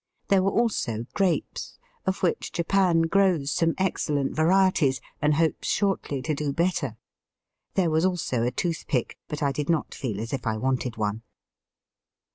There were also grapes, of which Japan grows some excellent varieties, and hopes shortly to do better. There was also a toothpick, but I did not feel as if I wanted one.